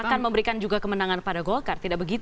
akan memberikan juga kemenangan pada golkar tidak begitu